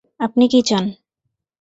আপনি কী চান?